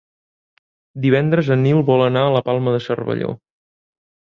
Divendres en Nil vol anar a la Palma de Cervelló.